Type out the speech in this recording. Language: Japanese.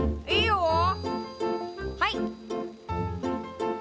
はい。